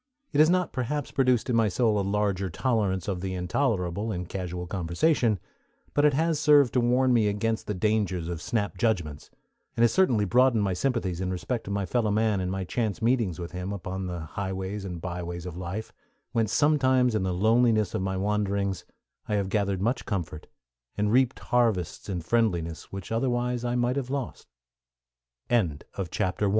It has not perhaps produced in my soul a larger tolerance of the intolerable in casual conversation, but it has served to warn me against the dangers of snap judgments, and has certainly broadened my sympathies in respect to my fellow man in my chance meetings with him upon the highways and byways of life, whence sometimes, in the loneliness of my wanderings, I have gathered much comfort, and reaped harvests in friendliness which otherwise